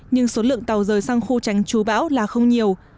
nhưng số lượng tàu rời sang khu tránh chú bão là không nhiều